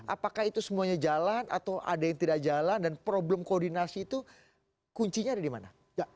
apakah itu semuanya jalan atau ada yang tidak jalan dan problem koordinasi itu kuncinya ada di mana